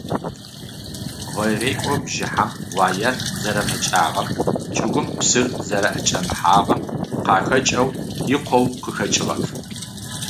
Гъэрекӏо бжьыхьэм уаер зэрэмэкӏагъэм, чӏыгум псыр зэрэӏэкӏэмыхьагъэм къахэкӏэу икъоу къыхэкӏыгъэп.